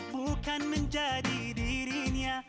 bukan menjadi dirinya